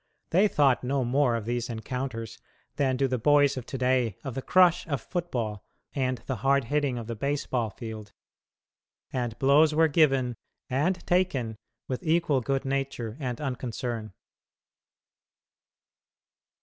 They thought no more of these encounters than do the boys of to day of the crush of football and the hard hitting of the baseball field, and blows were given and taken with equal good nature and unconcern.